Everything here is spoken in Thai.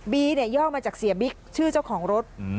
ย่อมาจากเสียบิ๊กชื่อเจ้าของรถ